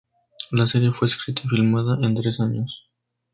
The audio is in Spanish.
La serie fue escrita y filmada en tres años.